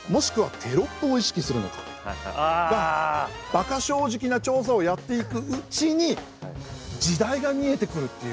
バカ正直な調査をやっていくうちに時代が見えてくるっていう。